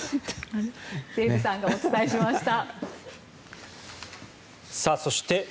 デーブさんがお伝えしました。